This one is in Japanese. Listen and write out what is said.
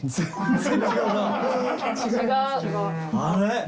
あれ？